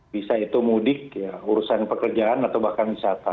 bisa itu mudik urusan pekerjaan